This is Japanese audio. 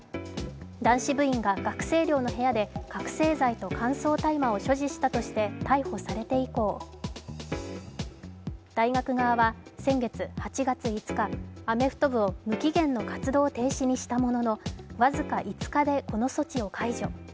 男子部員が学生寮の部屋で覚醒剤と乾燥大麻を所持したとして逮捕されて以降、大学側は先月８月５日、アメフト部を無期限の活動停止にしたものの僅か５日でこの措置を解除。